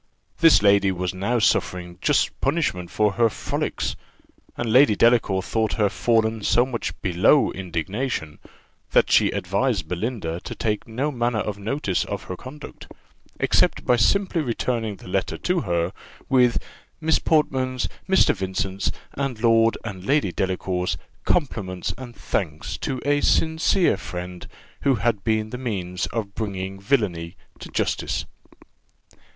This lady was now suffering just punishment for her frolics, and Lady Delacour thought her fallen so much below indignation, that she advised Belinda to take no manner of notice of her conduct, except by simply returning the letter to her, with "Miss Portman's, Mr. Vincent's, and Lord and Lady Delacour's, compliments and thanks to a sincere friend, who had been the means of bringing villany to justice."